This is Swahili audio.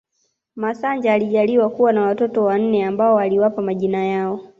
Masanja alijaaliwa kuwa na watoto wanne ambao aliwapa majina yao